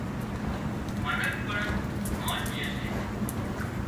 منک پڻ مانَ ڄي سي